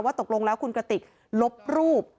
ว่าตกลงแล้วคุณกติกลบรูป